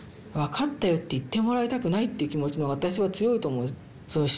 「わかったよ」って言ってもらいたくないっていう気持ちの方が私は強いと思う。